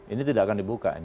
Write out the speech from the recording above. ini tidak akan dibuka